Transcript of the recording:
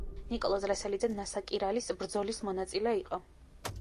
ნიკოლოზ ლესელიძე ნასაკირალის ბრძოლის მონაწილე იყო.